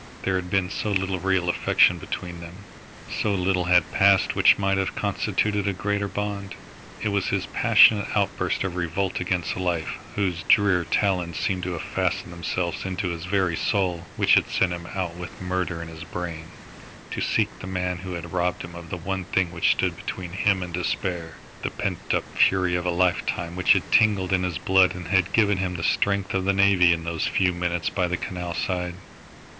There had been so little real affection between them. So little had passed which might have constituted a greater bond. It was his passionate outburst of revolt against life, whose drear talons seemed to have fastened themselves into his very soul, which had sent him out with murder in his brain to seek the man who had robbed him of the one thing which stood between him and despair; the pent up fury of a lifetime which had tingled in his blood and had given him the strength of the navvy in those few minutes by the canal side.